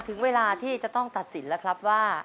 ถึงเวลาที่จะต้องตัดสินแล้วครับว่า